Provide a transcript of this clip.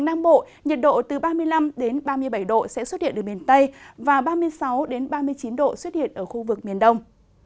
nam bộ nhiệt độ từ ba mươi năm ba mươi bảy độ sẽ xuất hiện ở miền tây và ba mươi sáu ba mươi chín độ xuất hiện ở khu vực miền đông